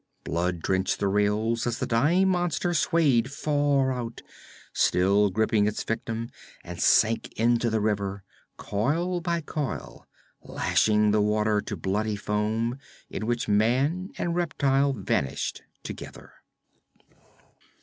Blood drenched the rails as the dying monster swayed far out, still gripping its victim, and sank into the river, coil by coil, lashing the water to bloody foam, in which man and reptile vanished together.